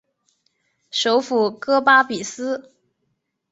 首府戈巴比斯。